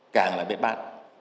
đang là biệt bát